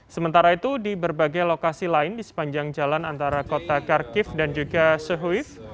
sementara itu di berbagai lokasi lain di sepanjang jalan antara kota kharkiv dan juga sehuiz